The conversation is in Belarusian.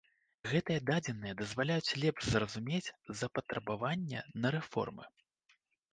Гэтыя дадзеныя дазваляюць лепш зразумець запатрабаванне на рэформы.